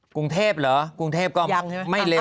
กรุงเทพเหรอกรุงเทพก็ไม่เล